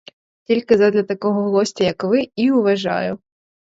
Тільки задля такого гостя, як ви, і уважаю.